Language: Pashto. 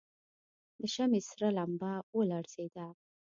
د شمعې سره لمبه ولړزېده.